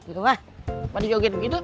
kapan digoget begitu